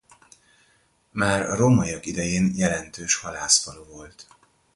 Már a rómaiak idején jelentős halászfalu volt.